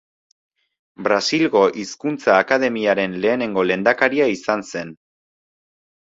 Brasilgo Hizkuntza Akademiaren lehenengo lehendakaria izan zen.